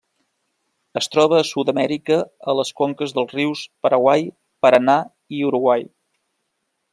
Es troba a Sud-amèrica, a les conques dels rius Paraguai, Paranà i Uruguai.